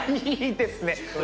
いいですね！